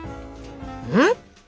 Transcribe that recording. うん？